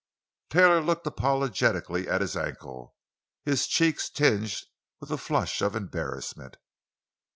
Taylor looked apologetically at his ankle, his cheeks tinged with a flush of embarrassment.